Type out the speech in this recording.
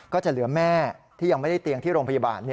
ก็จะเหลือแม่ที่ยังไม่ได้เตียงที่โรงพยาบาล